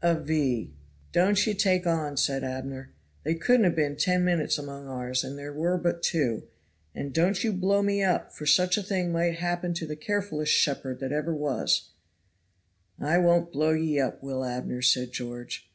"A 'V.' Don't ye take on," said Abner. "They couldn't have been ten minutes among ours, and there were but two. And don't you blow me up, for such a thing might happen to the carefulest shepherd that ever was." "I won't blow ye up, Will Abner," said George.